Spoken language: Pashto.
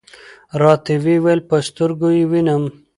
راته وې ویل: په سترګو یې وینم .